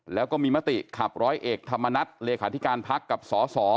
แล้วก็มีมติขับร้อยเอกธรรมนัฐเลขาธิการพักกับสส